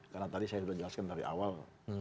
karena tadi saya sudah jelaskan dari awal